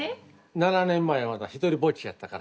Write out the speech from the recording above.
７年前まだ独りぼっちやったから。